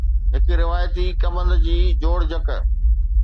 هڪ روايتي ڪمند جي جوڙجڪ